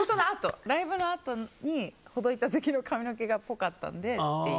ライブのあとにほどいた時の髪の毛がそれっぽかったので。